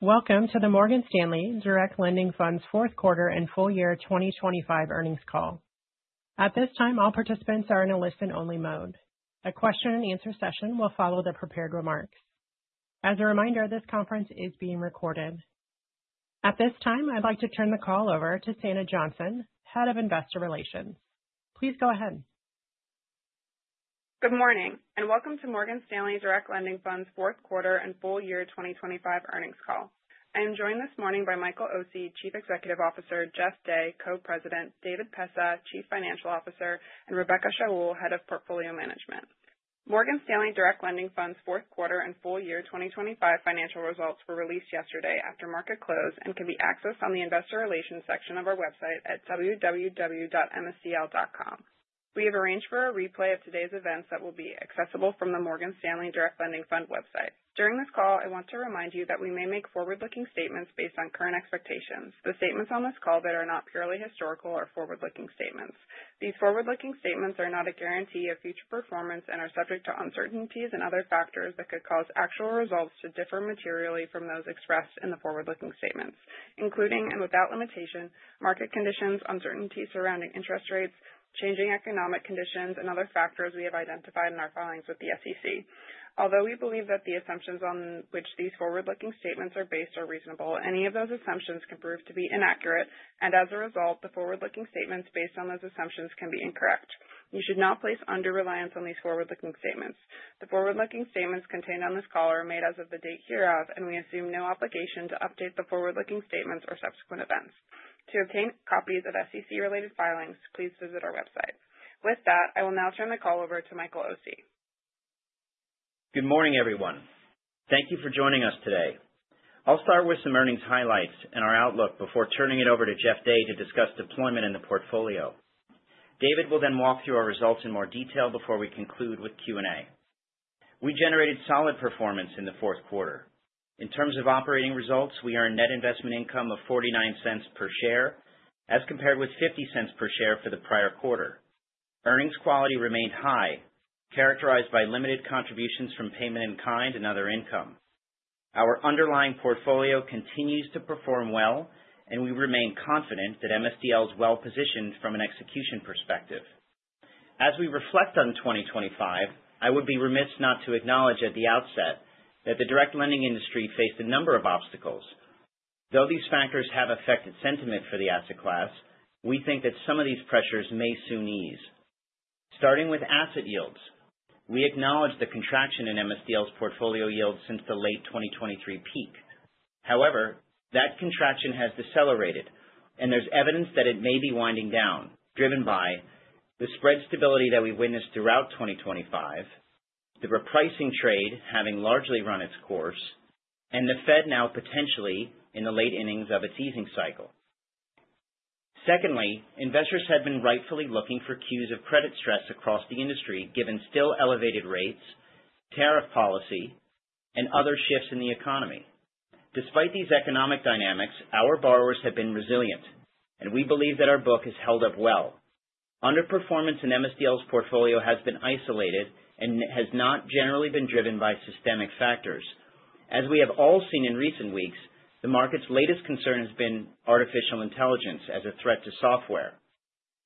Welcome to the Morgan Stanley Direct Lending Fund's fourth quarter and full year 2025 earnings call. At this time, all participants are in a listen-only mode. A question and answer session will follow the prepared remarks. As a reminder, this conference is being recorded. At this time, I'd like to turn the call over to Sanna Johnson, Head of Investor Relations. Please go ahead. Good morning, and welcome to Morgan Stanley Direct Lending Fund's fourth quarter and full year 2025 earnings call. I am joined this morning by Michael Occi, Chief Executive Officer, Jeff Day, Co-President, David Pessah, Chief Financial Officer, and Rebecca Shaoul, Head of Portfolio Management. Morgan Stanley Direct Lending Fund's fourth quarter and full year 2025 financial results were released yesterday after market close and can be accessed on the investor relations section of our website at www.MSDL.com. We have arranged for a replay of today's events that will be accessible from the Morgan Stanley Direct Lending Fund website. During this call, I want to remind you that we may make forward-looking statements based on current expectations. The statements on this call that are not purely historical are forward-looking statements. These forward-looking statements are not a guarantee of future performance and are subject to uncertainties and other factors that could cause actual results to differ materially from those expressed in the forward-looking statements, including, and without limitation, market conditions, uncertainty surrounding interest rates, changing economic conditions, and other factors we have identified in our filings with the SEC. Although we believe that the assumptions on which these forward-looking statements are based are reasonable, any of those assumptions can prove to be inaccurate, and as a result, the forward-looking statements based on those assumptions can be incorrect. You should not place undue reliance on these forward-looking statements. The forward-looking statements contained on this call are made as of the date hereof, and we assume no obligation to update the forward-looking statements or subsequent events. To obtain copies of SEC-related filings, please visit our website. With that, I will now turn the call over to Michael Occi. Good morning, everyone. Thank you for joining us today. I'll start with some earnings highlights and our outlook before turning it over to Jeff Day to discuss deployment in the portfolio. David will then walk through our results in more detail before we conclude with Q&A. We generated solid performance in the fourth quarter. In terms of operating results, we earned net investment income of $0.49 per share as compared with $0.50 per share for the prior quarter. Earnings quality remained high, characterized by limited contributions from payment in kind and other income. Our underlying portfolio continues to perform well, and we remain confident that MSDL is well positioned from an execution perspective. As we reflect on 2025, I would be remiss not to acknowledge at the outset that the direct lending industry faced a number of obstacles. Though these factors have affected sentiment for the asset class, we think that some of these pressures may soon ease. Starting with asset yields, we acknowledge the contraction in MSDL's portfolio yield since the late 2023 peak. However, that contraction has decelerated, and there's evidence that it may be winding down, driven by the spread stability that we witnessed throughout 2025, the repricing trade having largely run its course, and the Fed now potentially in the late innings of its easing cycle. Secondly, investors have been rightfully looking for cues of credit stress across the industry, given still elevated rates, tariff policy, and other shifts in the economy. Despite these economic dynamics, our borrowers have been resilient, and we believe that our book has held up well. Underperformance in MSDL's portfolio has been isolated and has not generally been driven by systemic factors. As we have all seen in recent weeks, the market's latest concern has been artificial intelligence as a threat to software.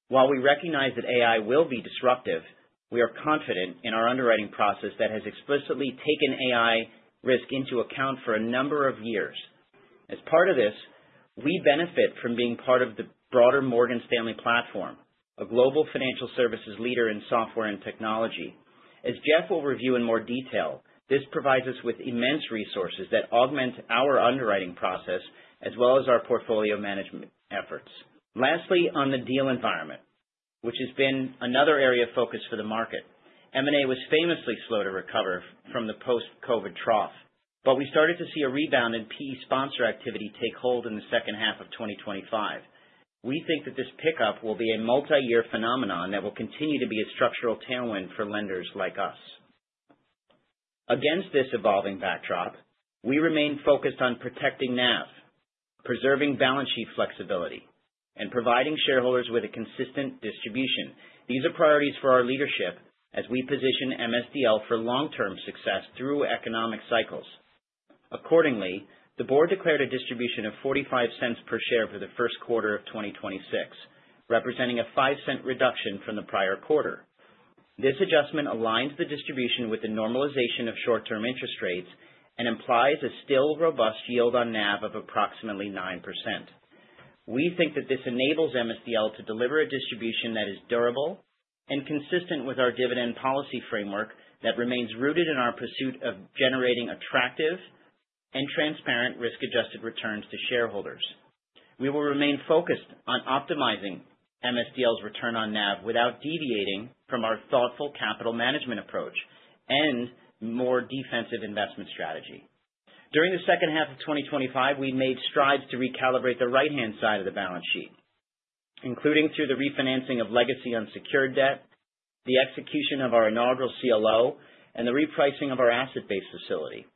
While we recognize that AI will be disruptive, we are confident in our underwriting process that has explicitly taken AI risk into account for a number of years. As part of this, we benefit from being part of the broader Morgan Stanley platform, a global financial services leader in software and technology. As Jeff will review in more detail, this provides us with immense resources that augment our underwriting process as well as our portfolio management efforts. Lastly, on the deal environment, which has been another area of focus for the market. M&A was famously slow to recover from the post-COVID trough, but we started to see a rebound in PE sponsor activity take hold in the second half of 2025. We think that this pickup will be a multi-year phenomenon that will continue to be a structural tailwind for lenders like us. Against this evolving backdrop, we remain focused on protecting NAV, preserving balance sheet flexibility, and providing shareholders with a consistent distribution. These are priorities for our leadership as we position MSDL for long-term success through economic cycles. The board declared a distribution of $0.45 per share for the first quarter of 2026, representing a $0.05 reduction from the prior quarter. This adjustment aligns the distribution with the normalization of short-term interest rates and implies a still robust yield on NAV of approximately 9%. We think that this enables MSDL to deliver a distribution that is durable and consistent with our dividend policy framework that remains rooted in our pursuit of generating attractive and transparent risk-adjusted returns to shareholders. We will remain focused on optimizing MSDL's return on NAV without deviating from our thoughtful capital management approach and more defensive investment strategy. During the second half of 2025, we made strides to recalibrate the right-hand side of the balance sheet, including through the refinancing of legacy unsecured debt, the execution of our inaugural CLO, and the repricing of our asset-based facility.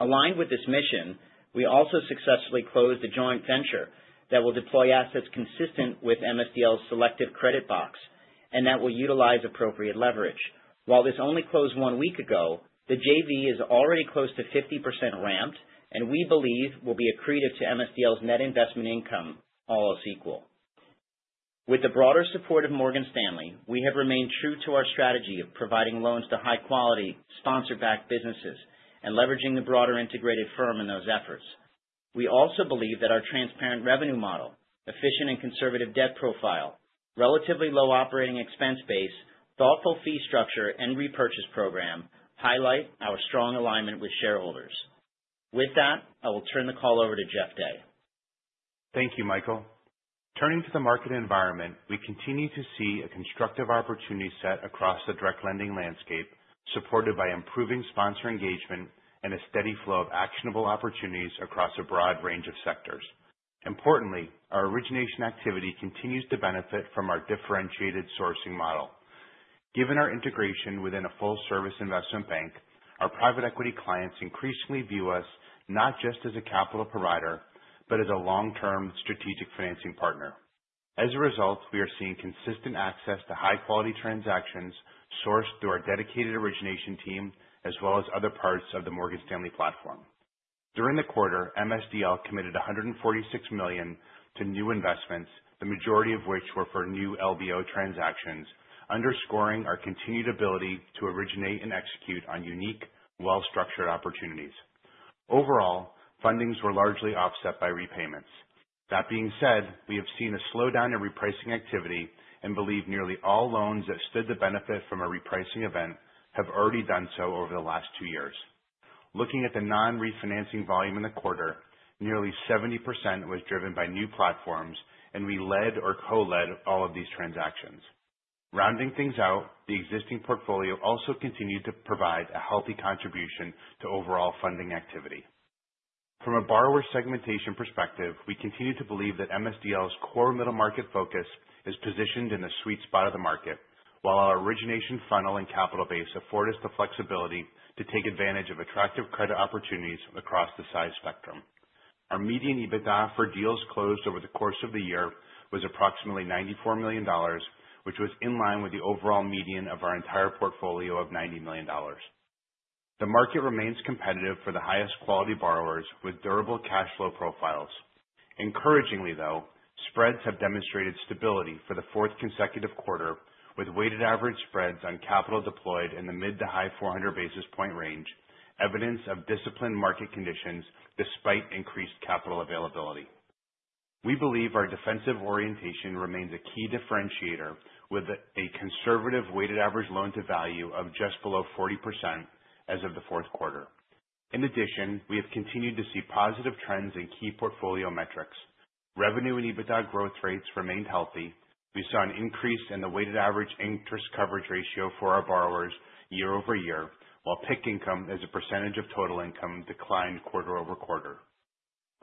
Aligned with this mission, we also successfully closed a joint venture that will deploy assets consistent with MSDL's selective credit box and that will utilize appropriate leverage. While this only closed one week ago, the JV is already close to 50% ramped, and we believe will be accretive to MSDL's net investment income all else equal. With the broader support of Morgan Stanley, we have remained true to our strategy of providing loans to high-quality sponsor-backed businesses and leveraging the broader integrated firm in those efforts. We also believe that our transparent revenue model, efficient and conservative debt profile, relatively low operating expense base, thoughtful fee structure, and repurchase program highlight our strong alignment with shareholders. With that, I will turn the call over to Jeff Day. Thank you, Michael. Turning to the market environment, we continue to see a constructive opportunity set across the direct lending landscape, supported by improving sponsor engagement and a steady flow of actionable opportunities across a broad range of sectors. Importantly, our origination activity continues to benefit from our differentiated sourcing model. Given our integration within a full-service investment bank, our private equity clients increasingly view us not just as a capital provider, but as a long-term strategic financing partner. As a result, we are seeing consistent access to high-quality transactions sourced through our dedicated origination team as well as other parts of the Morgan Stanley platform. During the quarter, MSDL committed $146 million to new investments, the majority of which were for new LBO transactions, underscoring our continued ability to originate and execute on unique, well-structured opportunities. Overall, fundings were largely offset by repayments. That being said, we have seen a slowdown in repricing activity and believe nearly all loans that stood to benefit from a repricing event have already done so over the last two years. Looking at the non-refinancing volume in the quarter, nearly 70% was driven by new platforms, and we led or co-led all of these transactions. Rounding things out, the existing portfolio also continued to provide a healthy contribution to overall funding activity. From a borrower segmentation perspective, we continue to believe that MSDL's core middle market focus is positioned in the sweet spot of the market, while our origination funnel and capital base afford us the flexibility to take advantage of attractive credit opportunities across the size spectrum. Our median EBITDA for deals closed over the course of the year was approximately $94 million, which was in line with the overall median of our entire portfolio of $90 million. The market remains competitive for the highest quality borrowers with durable cash flow profiles. Encouragingly, though, spreads have demonstrated stability for the fourth consecutive quarter, with weighted average spreads on capital deployed in the mid to high 400 basis point range, evidence of disciplined market conditions despite increased capital availability. We believe our defensive orientation remains a key differentiator with a conservative weighted average loan-to-value of just below 40% as of the fourth quarter. In addition, we have continued to see positive trends in key portfolio metrics. Revenue and EBITDA growth rates remained healthy. We saw an increase in the weighted average interest coverage ratio for our borrowers year-over-year, while PIK income as a percentage of total income declined quarter-over-quarter.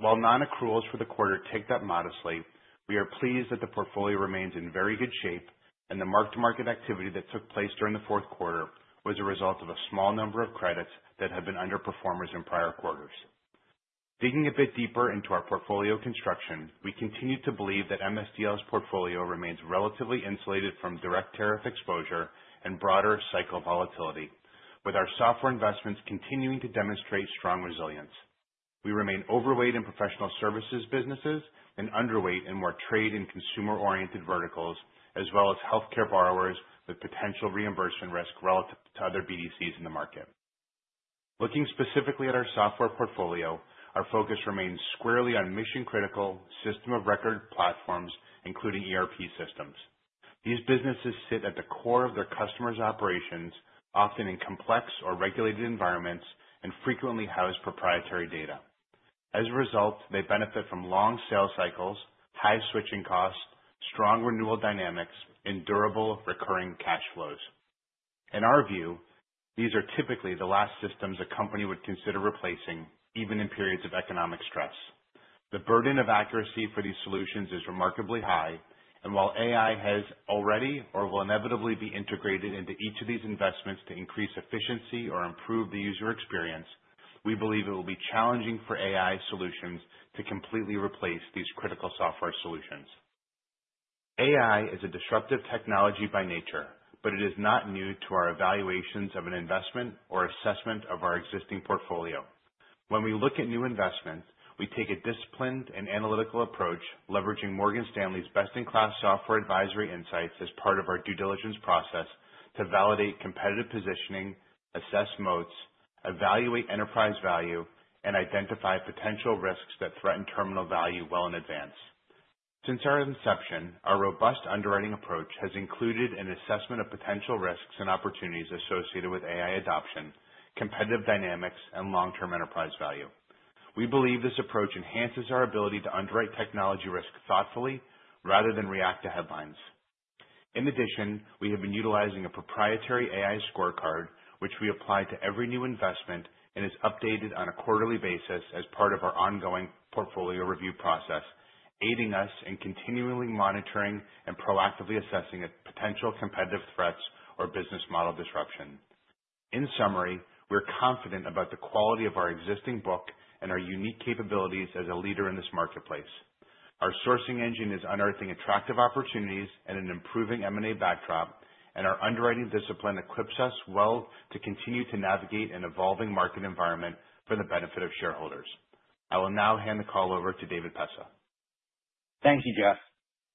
Non-accruals for the quarter ticked up modestly, we are pleased that the portfolio remains in very good shape, and the mark-to-market activity that took place during the fourth quarter was a result of a small number of credits that have been underperformers in prior quarters. Digging a bit deeper into our portfolio construction, we continue to believe that MSDL's portfolio remains relatively insulated from direct tariff exposure and broader cycle volatility, with our software investments continuing to demonstrate strong resilience. We remain overweight in professional services businesses and underweight in more trade and consumer-oriented verticals, as well as healthcare borrowers with potential reimbursement risk relative to other BDCs in the market. Looking specifically at our software portfolio, our focus remains squarely on mission-critical system of record platforms, including ERP systems. These businesses sit at the core of their customers' operations, often in complex or regulated environments, and frequently house proprietary data. As a result, they benefit from long sales cycles, high switching costs, strong renewal dynamics, and durable recurring cash flows. In our view, these are typically the last systems a company would consider replacing, even in periods of economic stress. The burden of accuracy for these solutions is remarkably high, and while AI has already or will inevitably be integrated into each of these investments to increase efficiency or improve the user experience, we believe it will be challenging for AI solutions to completely replace these critical software solutions. AI is a disruptive technology by nature, but it is not new to our evaluations of an investment or assessment of our existing portfolio. When we look at new investments, we take a disciplined and analytical approach, leveraging Morgan Stanley's best-in-class software advisory insights as part of our due diligence process to validate competitive positioning, assess moats, evaluate enterprise value, and identify potential risks that threaten terminal value well in advance. Since our inception, our robust underwriting approach has included an assessment of potential risks and opportunities associated with AI adoption, competitive dynamics, and long-term enterprise value. We believe this approach enhances our ability to underwrite technology risk thoughtfully rather than react to headlines. In addition, we have been utilizing a proprietary AI scorecard, which we apply to every new investment and is updated on a quarterly basis as part of our ongoing portfolio review process, aiding us in continually monitoring and proactively assessing potential competitive threats or business model disruption. In summary, we're confident about the quality of our existing book and our unique capabilities as a leader in this marketplace. Our sourcing engine is unearthing attractive opportunities and an improving M&A backdrop, and our underwriting discipline equips us well to continue to navigate an evolving market environment for the benefit of shareholders. I will now hand the call over to David Pessah. Thank you, Jeff.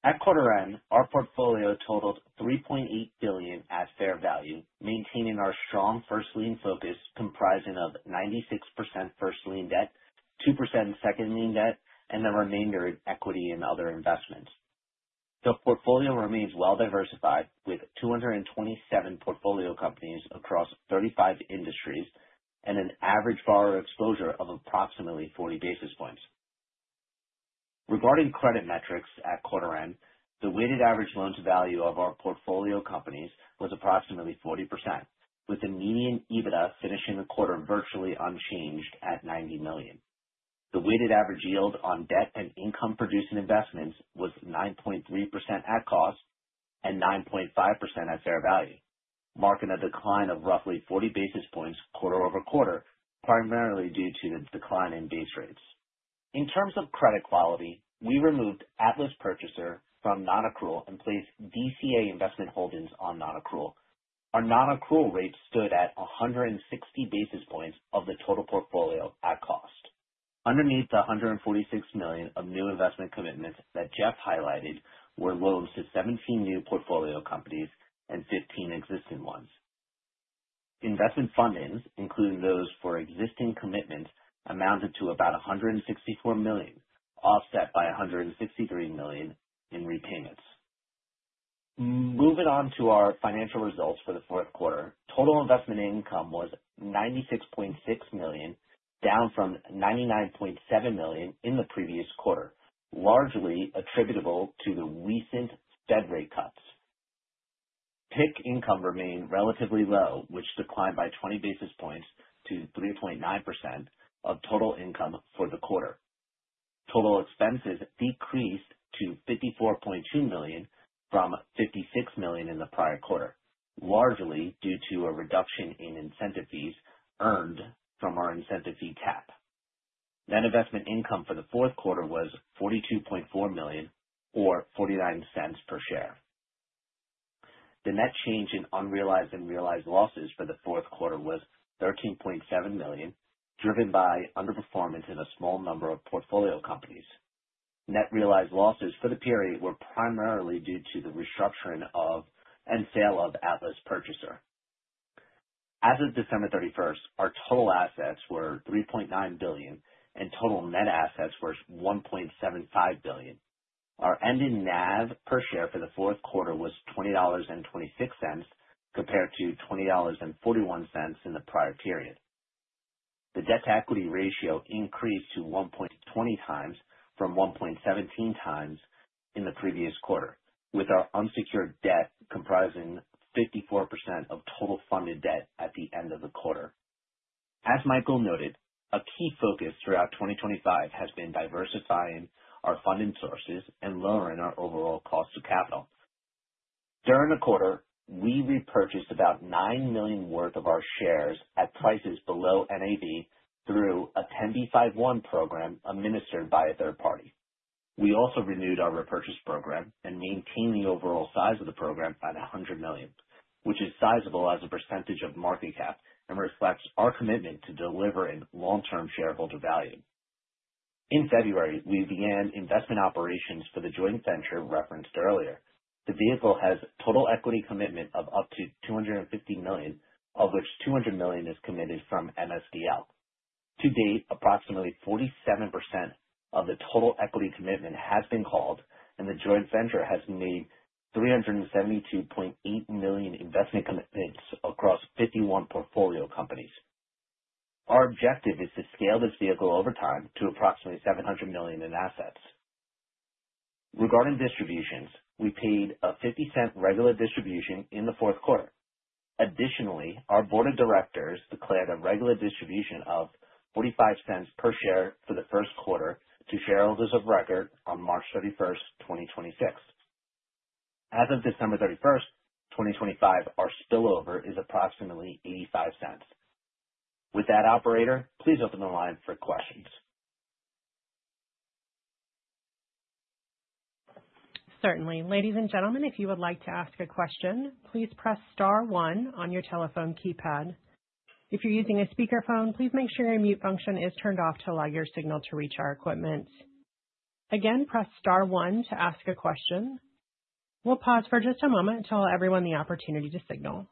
At quarter end, our portfolio totaled $3.8 billion at fair value, maintaining our strong first lien focus comprising of 96% first lien debt, 2% second lien debt, and the remainder in equity and other investments. The portfolio remains well-diversified with 227 portfolio companies across 35 industries and an average borrower exposure of approximately 40 basis points. Regarding credit metrics at quarter end, the weighted average loan-to-value of our portfolio companies was approximately 40%, with the median EBITDA finishing the quarter virtually unchanged at $90 million. The weighted average yield on debt and income-producing investments was 9.3% at cost and 9.5% at fair value, marking a decline of roughly 40 basis points quarter-over-quarter, primarily due to the decline in base rates. In terms of credit quality, we removed Atlas Purchaser from non-accrual and placed DCA Investment Holdings on non-accrual. Our non-accrual rate stood at 160 basis points of the total portfolio at cost. Underneath the $146 million of new investment commitments that Jeff highlighted were loans to 17 new portfolio companies and 15 existing ones. Investment fundings, including those for existing commitments, amounted to about $164 million, offset by $163 million in repayments. Moving on to our financial results for the fourth quarter. Total investment income was $96.6 million, down from $99.7 million in the previous quarter, largely attributable to the recent Fed rate cuts. PIK income remained relatively low, which declined by 20 basis points to 3.9% of total income for the quarter. Total expenses decreased to $54.2 million from $56 million in the prior quarter, largely due to a reduction in incentive fees earned from our incentive fee cap. Net investment income for the fourth quarter was $42.4 million or $0.49 per share. The net change in unrealized and realized losses for the fourth quarter was $13.7 million, driven by underperformance in a small number of portfolio companies. Net realized losses for the period were primarily due to the restructuring of and sale of Atlas Purchaser. As of December 31st, our total assets were $3.9 billion and total net assets was $1.75 billion. Our ending NAV per share for the fourth quarter was $20.26 compared to $20.41 in the prior period. The debt-to-equity ratio increased to 1.20x from 1.17x in the previous quarter, with our unsecured debt comprising 54% of total funded debt at the end of the quarter. As Michael noted, a key focus throughout 2025 has been diversifying our funding sources and lowering our overall cost of capital. During the quarter, we repurchased about $9 million worth of our shares at prices below NAV through a 10b5-1 program administered by a third party. We also renewed our repurchase program and maintained the overall size of the program by $100 million, which is sizable as a percentage of market cap and reflects our commitment to delivering long-term shareholder value. In February, we began investment operations for the joint venture referenced earlier. The vehicle has total equity commitment of up to $250 million, of which $200 million is committed from MSDL. To date, approximately 47% of the total equity commitment has been called, and the joint venture has made $372.8 million investment commitments across 51 portfolio companies. Our objective is to scale this vehicle over time to approximately $700 million in assets. Regarding distributions, we paid a $0.50 regular distribution in the fourth quarter. Additionally, our Board of Directors declared a regular distribution of $0.45 per share for the first quarter to shareholders of record on March 31st, 2026. As of December 31st, 2025, our spillover is approximately $0.85. With that, operator, please open the line for questions. Certainly. Ladies and gentlemen, if you would like to ask a question, please press star one on your telephone keypad. If you're using a speakerphone, please make sure your mute function is turned off to allow your signal to reach our equipment. Again, press star one to ask a question. We'll pause for just a moment and tell everyone the opportunity to signal.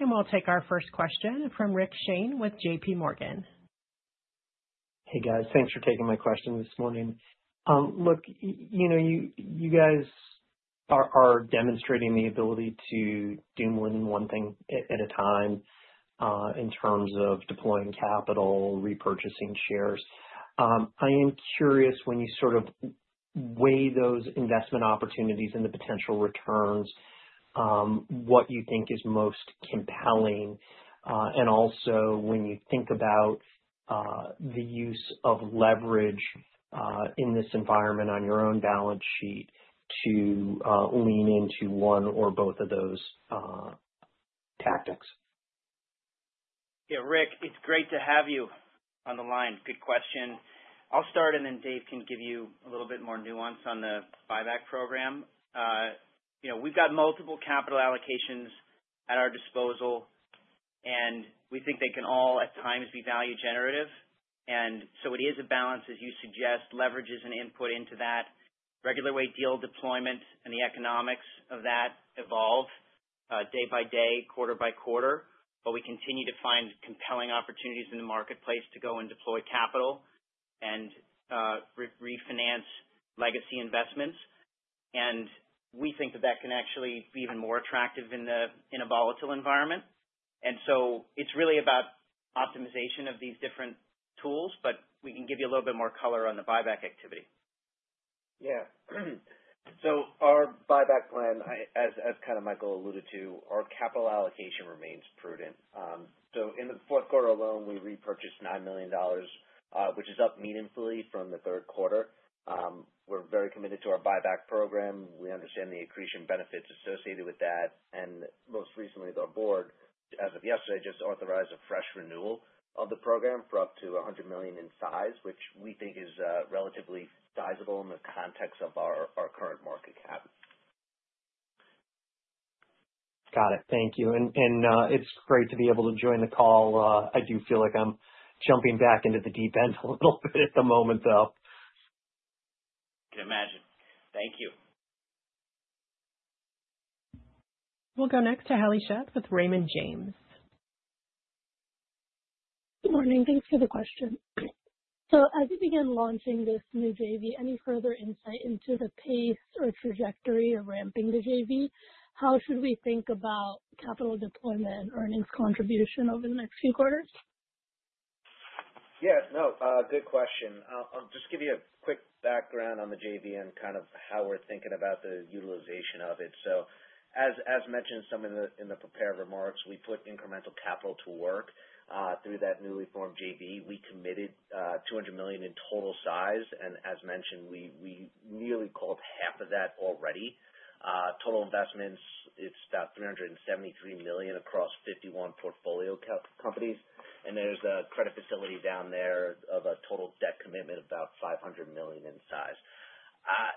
We'll take our first question from Rick Shane with JPMorgan. Hey, guys. Thanks for taking my question this morning. Look, you know, you guys are demonstrating the ability to do more than one thing at a time, in terms of deploying capital, repurchasing shares. I am curious when you sort of weigh those investment opportunities and the potential returns, what you think is most compelling, and also when you think about the use of leverage in this environment on your own balance sheet to lean into one or both of those tactics? Yeah, Rick, it's great to have you on the line. Good question. I'll start, and then Dave can give you a little bit more nuance on the buyback program. You know, we've got multiple capital allocations at our disposal, and we think they can all at times be value generative. It is a balance, as you suggest. Leverage is an input into that. Regular way deal deployment and the economics of that evolve, day by day, quarter by quarter. We continue to find compelling opportunities in the marketplace to go and deploy capital and re-refinance legacy investments. We think that that can actually be even more attractive in a, in a volatile environment. It's really about optimization of these different tools, but we can give you a little bit more color on the buyback activity. Yeah. Our buyback plan, as kind of Michael alluded to, our capital allocation remains prudent. In the fourth quarter alone, we repurchased $9 million, which is up meaningfully from the third quarter. We're very committed to our buyback program. We understand the accretion benefits associated with that. Most recently, our board, as of yesterday, just authorized a fresh renewal of the program for up to $100 million in size, which we think is relatively sizable in the context of our current market cap. Got it. Thank you. It's great to be able to join the call. I do feel like I'm jumping back into the deep end a little bit at the moment, though. I can imagine. Thank you. We'll go next to Heli Sheth with Raymond James. Good morning. Thanks for the question. As you begin launching this new JV, any further insight into the pace or trajectory of ramping the JV? How should we think about capital deployment and earnings contribution over the next few quarters? Yeah, no, good question. I'll just give you a quick background on the JV and kind of how we're thinking about the utilization of it. As, as mentioned some in the, in the prepared remarks, we put incremental capital to work through that newly formed JV. We committed $200 million in total size. As mentioned, we nearly called half of that already. Total investments, it's about $373 million across 51 portfolio cap companies. There's a credit facility down there of a total debt commitment about $500 million in size.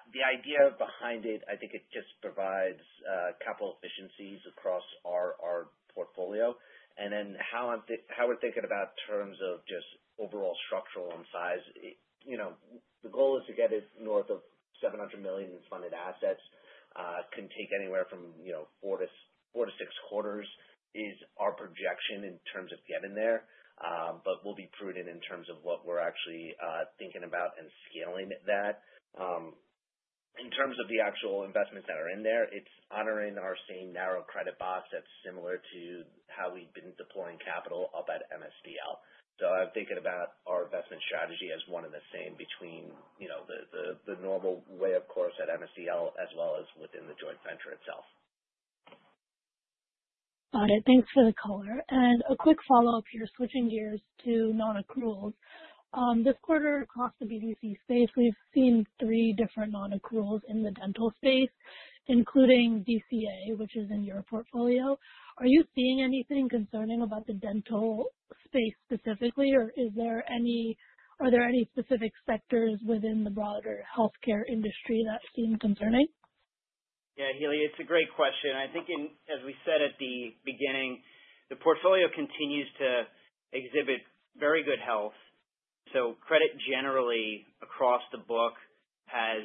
The idea behind it, I think it just provides capital efficiencies across our portfolio. Then how we're thinking about terms of just overall structural and size. You know, the goal is to get it north of $700 million in funded assets. It can take anywhere from, you know, four to six quarters is our projection in terms of getting there. We'll be prudent in terms of what we're actually thinking about and scaling that. In terms of the actual investments that are in there, it's honoring our same narrow credit box that's similar to how we've been deploying capital up at MSDL. I'm thinking about our investment strategy as one and the same between, you know, the normal way, of course, at MSDL as well as within the joint venture itself. Got it. Thanks for the color. A quick follow-up here, switching gears to non-accruals. This quarter across the BDC space, we've seen three different non-accruals in the dental space, including DCA, which is in your portfolio. Are you seeing anything concerning about the dental space specifically or are there any specific sectors within the broader healthcare industry that seem concerning? Yeah, Heli, it's a great question. I think, as we said at the beginning, the portfolio continues to exhibit very good health. Credit generally across the book has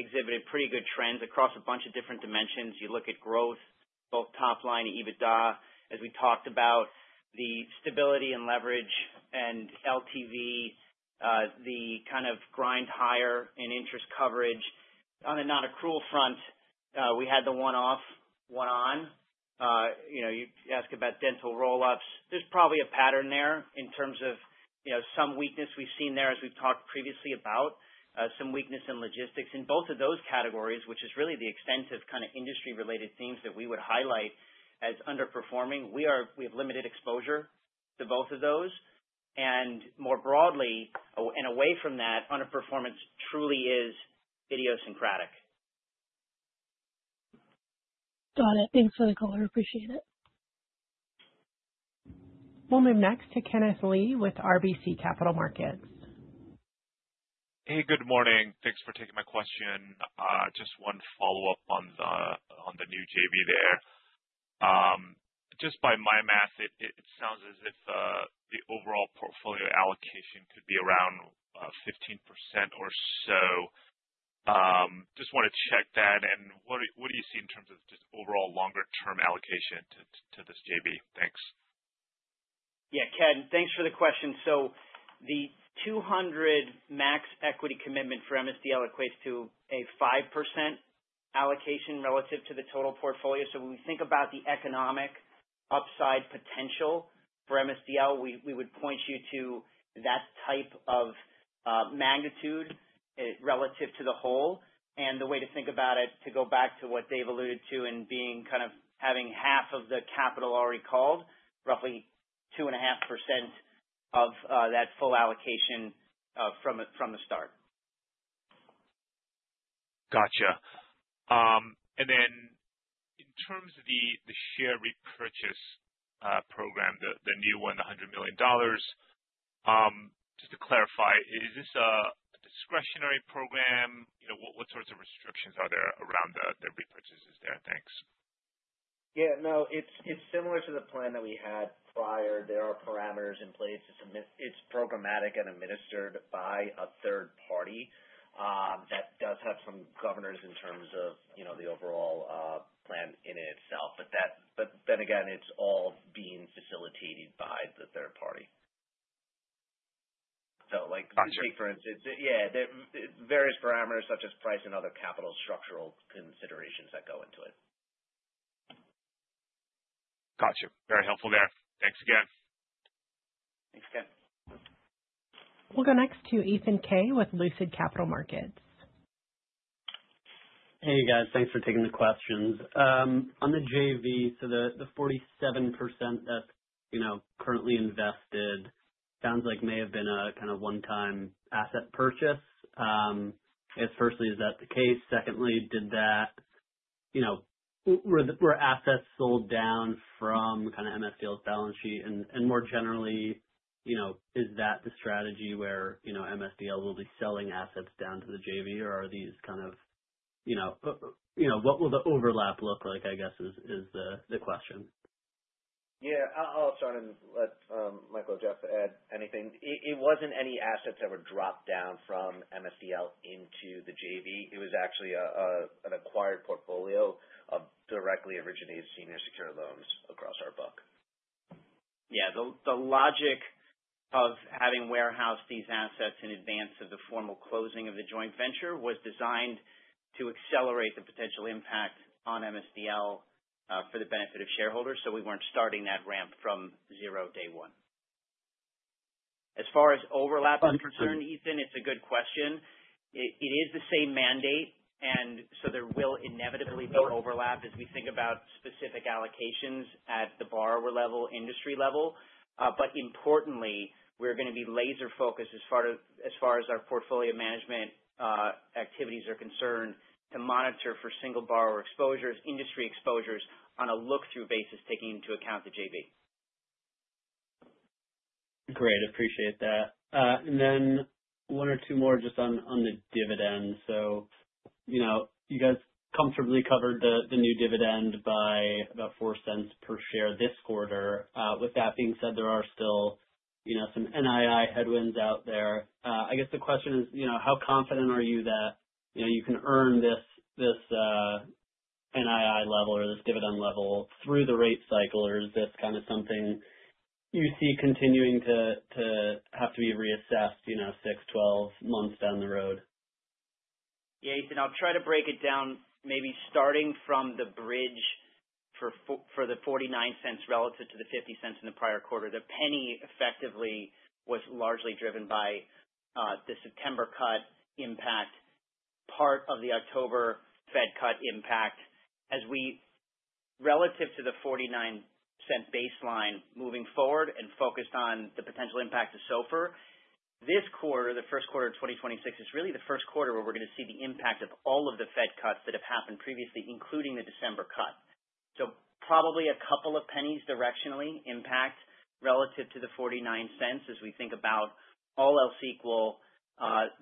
exhibited pretty good trends across a bunch of different dimensions. You look at growth, both top line and EBITDA, as we talked about the stability and leverage and LTV, the kind of grind higher and interest coverage. On a non-accrual front, we had the one-off, one on. You know, you ask about dental roll-ups. There's probably a pattern there in terms of, you know, some weakness we've seen there as we've talked previously about some weakness in logistics. In both of those categories, which is really the extent of kind of industry related themes that we would highlight as underperforming. We have limited exposure to both of those. More broadly, away from that, underperformance truly is idiosyncratic. Got it. Thanks for the color. Appreciate it. We'll move next to Kenneth Lee with RBC Capital Markets. Hey, good morning. Thanks for taking my question. Just one follow-up on the, on the new JV there. Just by my math, it sounds as if the overall portfolio allocation could be around 15% or so. Just wanna check that. What do you see in terms of just overall longer term allocation to this JV? Thanks. Yeah, Ken, thanks for the question. The 200 max equity commitment for MSDL equates to a 5% allocation relative to the total portfolio. When we think about the economic upside potential for MSDL, we would point you to that type of magnitude relative to the whole. The way to think about it, to go back to what Dave alluded to, in being kind of having half of the capital already called, roughly 2.5% of that full allocation from the start. Gotcha. In terms of the share repurchase program, the new one, the $100 million, just to clarify, is this a discretionary program? You know, what sorts of restrictions are there around the repurchases there? Thanks. Yeah, no, it's similar to the plan that we had prior. There are parameters in place. It's programmatic and administered by a third party that does have some governors in terms of, you know, the overall plan in itself. Again, it's all being facilitated by the third party. Gotcha. For instance, yeah, the various parameters such as price and other capital structural considerations that go into it. Gotcha. Very helpful there. Thanks again. Thanks Ken. We'll go next to Ethan Kaye with Lucid Capital Markets. Hey, guys. Thanks for taking the questions. On the JV, the 47% that's, you know, currently invested sounds like may have been a kind of one-time asset purchase. Firstly, is that the case? Secondly, did that, you know, were assets sold down from kind of MSDL's balance sheet? More generally, you know, is that the strategy where, you know, MSDL will be selling assets down to the JV or are these kind of, you know, what will the overlap look like, I guess, is the question. Yeah. I'll start and let Michael or Jeff add anything. It wasn't any assets that were dropped down from MSDL into the JV. It was actually an acquired portfolio of directly originated senior secured loans across our book. Yeah. The logic of having warehoused these assets in advance of the formal closing of the joint venture was designed to accelerate the potential impact on MSDL for the benefit of shareholders, so we weren't starting that ramp from zero day one. As far as overlap is concerned, Ethan, it's a good question. It is the same mandate. There will inevitably be overlap as we think about specific allocations at the borrower level, industry level. Importantly, we're gonna be laser focused as far as our portfolio management activities are concerned to monitor for single borrower exposures, industry exposures on a look-through basis, taking into account the JV. Great. Appreciate that. One or two more just on the dividend. You know, you guys comfortably covered the new dividend by about $0.04 per share this quarter. With that being said, there are still, you know, some NII headwinds out there. I guess the question is, you know, how confident are you that, you know, you can earn this NII level or this dividend level through the rate cycle? Is this kind of something you see continuing to have to be reassessed, you know, 6-12 months down the road? Yeah, Ethan, I'll try to break it down, maybe starting from the bridge for the $0.49 relative to the $0.50 in the prior quarter. The $0.01 effectively was largely driven by the September cut impact, part of the October Fed cut impact. Relative to the $0.49 baseline moving forward and focused on the potential impact of SOFR, this quarter, the first quarter of 2026, is really the first quarter where we're going to see the impact of all of the Fed cuts that have happened previously, including the December cut. Probably a couple of pennies directionally impact relative to the $0.49 as we think about all else equal,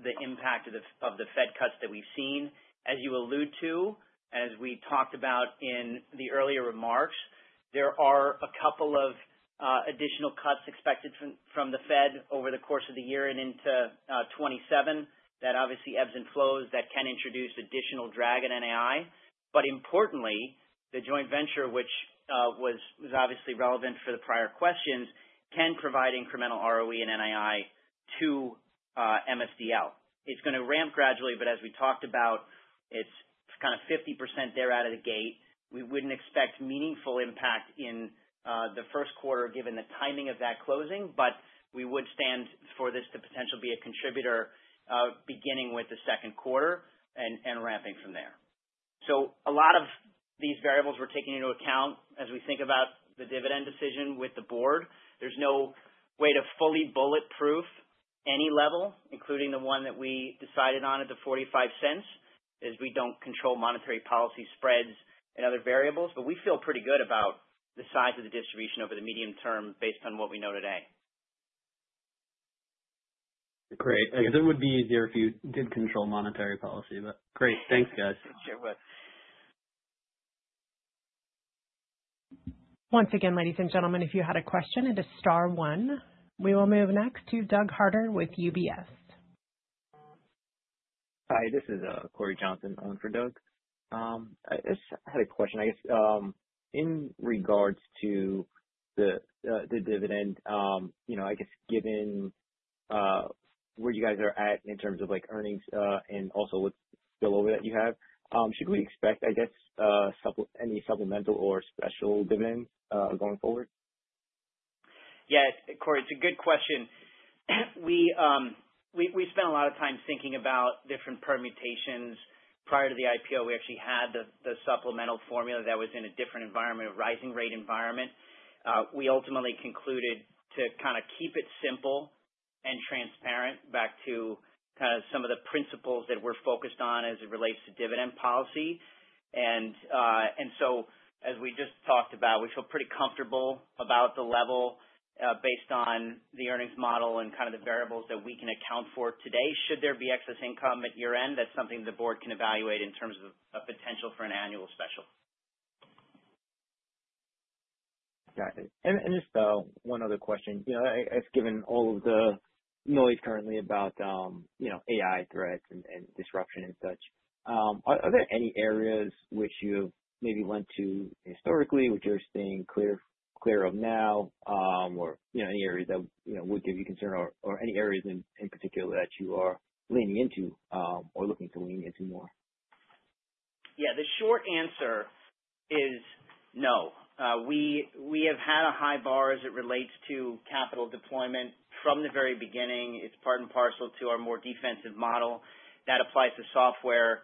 the impact of the Fed cuts that we've seen. As you allude to, as we talked about in the earlier remarks, there are a couple of additional cuts expected from the Fed over the course of the year and into 2027. That obviously ebbs and flows. That can introduce additional drag in NII. Importantly, the joint venture which was obviously relevant for the prior questions, can provide incremental ROE and NII to MSDL. It's going to ramp gradually, but as we talked about, it's kind of 50% there out of the gate. We wouldn't expect meaningful impact in the first quarter given the timing of that closing, but we would stand for this to potentially be a contributor beginning with the second quarter and ramping from there. A lot of these variables we're taking into account as we think about the dividend decision with the board. There's no way to fully bulletproof any level, including the one that we decided on at the $0.45, as we don't control monetary policy spreads and other variables. We feel pretty good about the size of the distribution over the medium term based on what we know today. Great. It would be easier if you did control monetary policy, but great. Thanks, guys. Sure would. Once again, ladies and gentlemen, if you had a question, it is star one. We will move next to Doug Harter with UBS. Hi, this is Cory Johnson on for Doug. I just had a question, I guess, in regards to the dividend, you know, I guess given where you guys are at in terms of like earnings, and also what spill over that you have, should we expect, I guess, any supplemental or special dividends going forward? Yes, Cory, it's a good question. We spent a lot of time thinking about different permutations. Prior to the IPO, we actually had the supplemental formula that was in a different environment, a rising rate environment. We ultimately concluded to kinda keep it simple and transparent back to kinda some of the principles that we're focused on as it relates to dividend policy. As we just talked about, we feel pretty comfortable about the level, based on the earnings model and kind of the variables that we can account for today. Should there be excess income at year-end, that's something the board can evaluate in terms of a potential for an annual special. Got it. Just one other question. You know, it's given all of the noise currently about, you know, AI threats and disruption and such. Are there any areas which you maybe went to historically, which you're staying clear of now, or you know, any areas that, you know, would give you concern or any areas in particular that you are leaning into, or looking to lean into more? Yeah, the short answer is no. We have had a high bar as it relates to capital deployment from the very beginning. It's part and parcel to our more defensive model. That applies to software.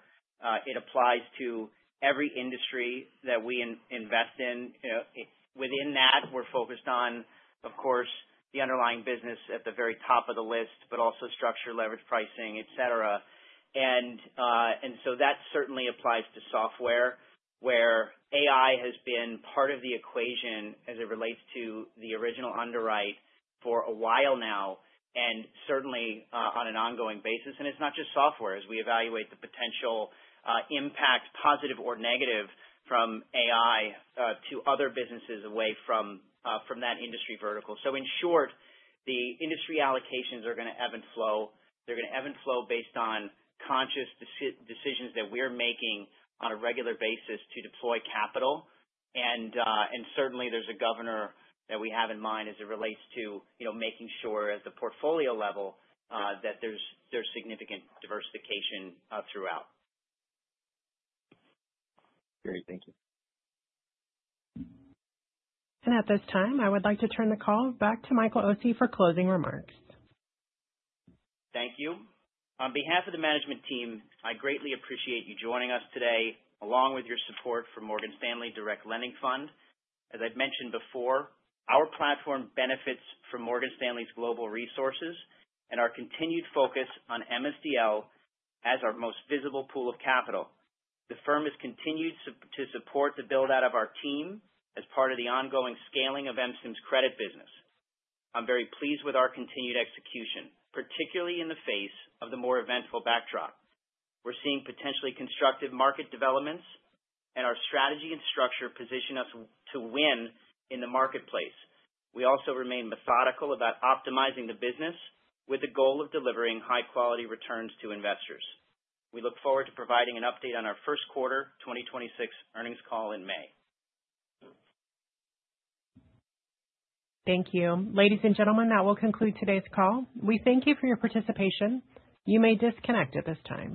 It applies to every industry that we invest in. You know, within that we're focused on, of course, the underlying business at the very top of the list, but also structure, leverage, pricing, et cetera. That certainly applies to software where AI has been part of the equation as it relates to the original underwrite for a while now, and certainly, on an ongoing basis. It's not just software. As we evaluate the potential impact, positive or negative from AI, to other businesses away from that industry vertical. In short, the industry allocations are gonna ebb and flow. They're gonna ebb and flow based on conscious decisions that we're making on a regular basis to deploy capital. Certainly there's a governor that we have in mind as it relates to, you know, making sure at the portfolio level that there's significant diversification throughout. Great. Thank you. At this time, I would like to turn the call back to Michael Occi for closing remarks. Thank you. On behalf of the management team, I greatly appreciate you joining us today along with your support for Morgan Stanley Direct Lending Fund. As I've mentioned before, our platform benefits from Morgan Stanley's global resources and our continued focus on MSDL as our most visible pool of capital. The firm has continued to support the build-out of our team as part of the ongoing scaling of MSIM's credit business. I'm very pleased with our continued execution, particularly in the face of the more eventful backdrop. We're seeing potentially constructive market developments, and our strategy and structure position us to win in the marketplace. We also remain methodical about optimizing the business with the goal of delivering high quality returns to investors. We look forward to providing an update on our first quarter 2026 earnings call in May. Thank you. Ladies and gentlemen, that will conclude today's call. We thank you for your participation. You may disconnect at this time.